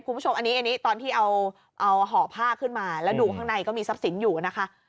คุณผู้ชมอันนี้ตอนที่เอาห่อผ้าขึ้นมาแล้วดูข้างในก็มีทรัพย์สินอยู่นะคะ